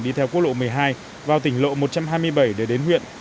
đi theo quốc lộ một mươi hai vào tỉnh lộ một trăm hai mươi bảy để đến huyện